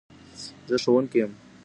زه ښوونکي يم